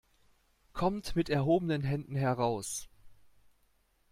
Kommt mit erhobenen Händen heraus!